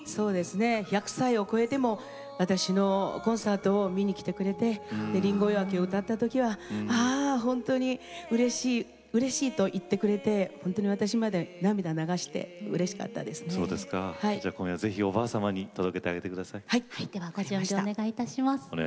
１００歳を超えても私のコンサートを見に来てくれて「リンゴ追分」を歌った時には本当にうれしい、うれしいと言ってくれて本当に私まで、涙を流して今夜ぜひ、おばあ様に届けてあげてください。